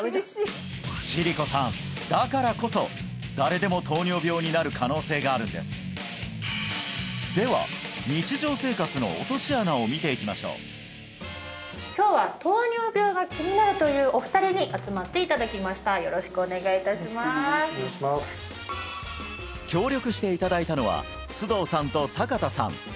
千里子さんだからこそ誰でも糖尿病になる可能性があるんですでは日常生活の落とし穴を見ていきましょう今日は糖尿病が気になるというお二人に集まっていただきましたよろしくお願いいたしますお願いします協力していただいたのは須藤さんと坂田さん